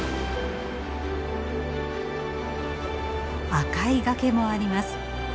赤い崖もあります。